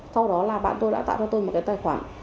sau đó là bạn tôi đã tạo cho tôi một cái tài khoản